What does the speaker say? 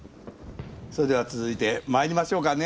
それでは続いてまいりましょうかね